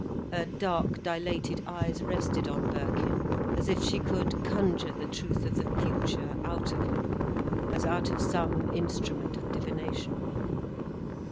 Her dark, dilated eyes rested on Birkin, as if she could conjure the truth of the future out of him, as out of some instrument of divination.